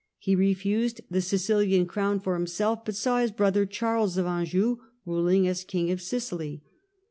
He refused the Sicilian crown for himself, but saw his brother Charles of Anjou ruling as King of Sicily.